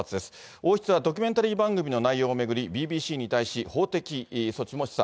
王室はドキュメンタリー番組の内容を巡りＢＢＣに対し、法的措置も示唆。